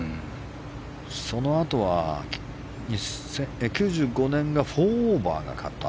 そのあとは９５年が４オーバーがカット。